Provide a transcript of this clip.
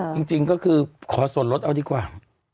จริงก็คือขอส่วนลดเอาดีกว่า